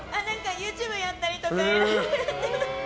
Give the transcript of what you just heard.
ＹｏｕＴｕｂｅやったりとかいろいろやってます。